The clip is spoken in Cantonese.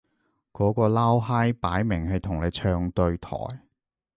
嗰個撈閪擺明係同你唱對台